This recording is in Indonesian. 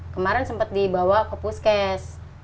kemarin sempat dibawa ke puskes